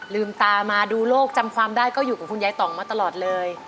ลืมตามาดูโลกจำความได้ก็อยู่กับคุณยายต่องมาตลอดเลย